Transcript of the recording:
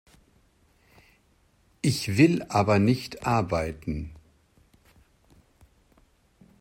Ich will aber nicht arbeiten.